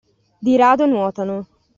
Di rado nuotano.